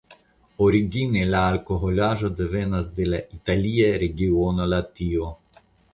Origine la alkoholaĵo devenas de la italia regiono Latio.